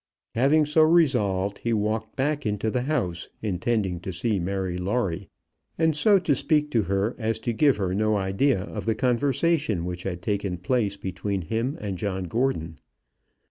Having so resolved, he walked back into the house, intending to see Mary Lawrie, and so to speak to her as to give her no idea of the conversation which had taken place between him and John Gordon.